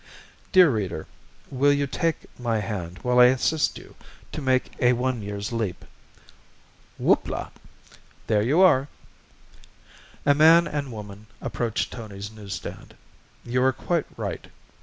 Dear Reader, will you take my hand while I assist you to make a one year's leap. Whoop la! There you are. A man and a woman approached Tony's news stand. You are quite right.